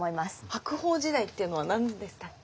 白鳳時代っていうのは何でしたっけ？